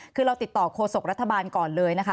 คือเราติดต่อโฆษกรัฐบาลก่อนเลยนะคะ